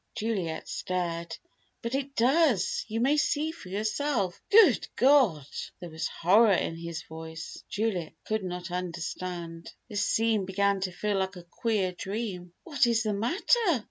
Juliet stared. "But it does. You may see for yourself." "Good God!" There was horror in his voice. Juliet could not understand. This scene began to feel like a queer dream. "What is the matter?"